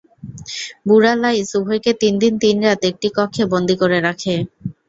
বুড়া লাঈছ উভয়কে তিনদিন তিনরাত একটি কক্ষে বন্দি করে রাখে।